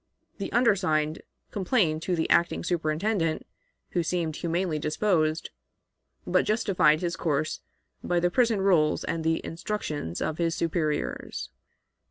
The undersigned complained to the acting superintendent, who seemed humanely disposed, but justified his course by the prison rules and the instructions of his superiors."